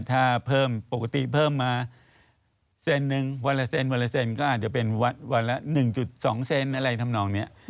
ถ้าเพิ่มปกติเพิ่มมาเซนนึงวันละเซนวันละเซนก็อาจจะเป็นวันละ๑๒เซนอะไรทำนองนี้